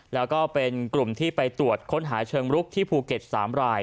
แล้วก็เป็นกลุ่มที่ไปตรวจค้นหาเชิงรุกที่ภูเก็ต๓ราย